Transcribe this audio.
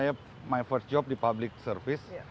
bayangkan ini saya my first job di public service